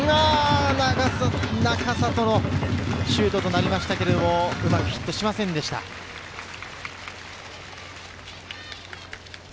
中里のシュートでしたが、うまくヒットしませんでした。